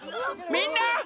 みんな！